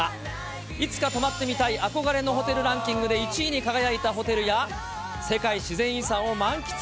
いつか泊まってみたい憧れのホテルランキングで１位に輝いたホテルや、世界自然遺産を満喫。